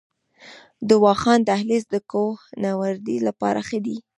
د واخان دهلیز د کوه نوردۍ لپاره ښه دی؟